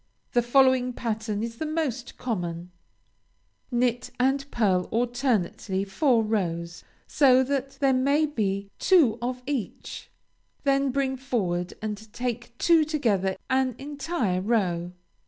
The following pattern is the most common: Knit and pearl alternately four rows, so that there may be two of each; then bring forward and take two together an entire row.